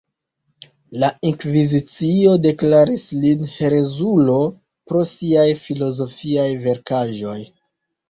La inkvizicio deklaris lin herezulo pro siaj filozofiaj verkaĵoj.